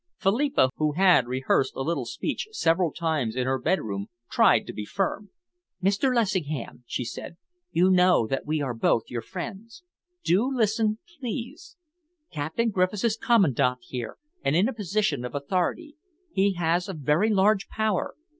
Philippa, who had rehearsed a little speech several times in her bedroom, tried to be firm. "Mr. Lessingham," she said, "you know that we are both your friends. Do listen, please. Captain Griffiths is Commandant here and in a position of authority. He has a very large power.